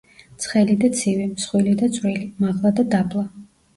ცხელი და ცივი, მსხვილი და წვრილი, მაღლა და დაბლა.